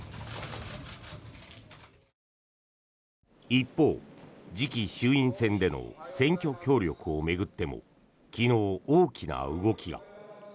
一方、次期衆院選での選挙協力を巡っても昨日、大きな動きが。